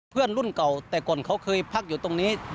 รุ่นเก่าแต่ก่อนเขาเคยพักอยู่ตรงนี้